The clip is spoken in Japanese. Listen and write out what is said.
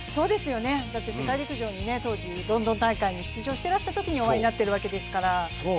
だって世界陸上に当時、ロンドン大会に出場していたときにお会いになっているわけですから。